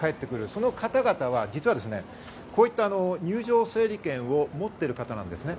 その方々は実はこういった入場整理券を持っている方です。